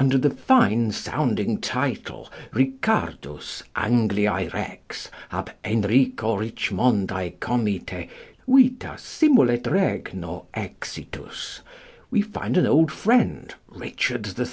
Under the fine sounding title, Ricardus, Angliæ Rex, ab Henrico Richmondæ comite vita, simul et Regno exitus, we find an old friend, _Richard III.